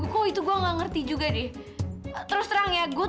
silahkan bu lihat lihat